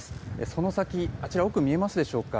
その先、あちら奥見えますでしょうか。